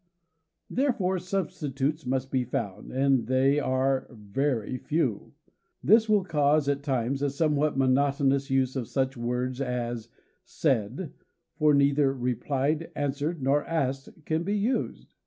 Therefore substitutes must be found; and they are very few. This will cause, at times, a somewhat monotonous use of such words as "said;" for neither "replied," "answered" nor "asked" can be used.